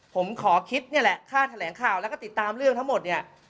ผมขอคิดนี่แหละค่าแถลงข่าวแล้วก็ติดตามเรื่องทั้งหมดเนี่ย